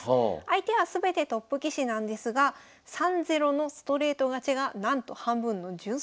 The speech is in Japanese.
相手は全てトップ棋士なんですが３−０のストレート勝ちがなんと半分の１３回もあるんです。